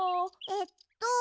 えっと